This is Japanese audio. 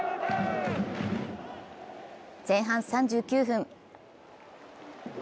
前半３９分。